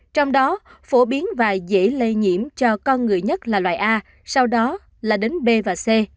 trong đó phổ biến và dễ lây nhiễm cho con người nhất là loại a sau đó là đến b và c